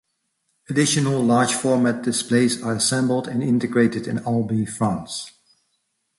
Additional large-format displays are assembled and integrated in Albi, France.